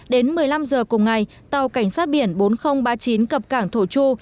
đến một mươi năm h cùng ngày tàu cảnh sát biển bốn nghìn ba mươi chín cập cảng thổ chu